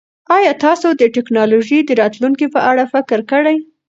ایا تاسو د ټکنالوژۍ د راتلونکي په اړه فکر کړی؟